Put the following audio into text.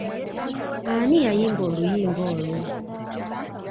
Ani yayimba oluyimba olwo?